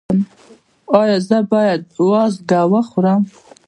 ایا زه باید وازګه وخورم؟